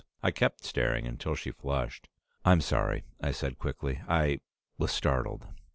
I kept staring until she flushed. "I'm sorry," I said quickly. "I was startled."